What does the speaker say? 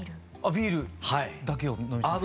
ビールだけを飲み続ける？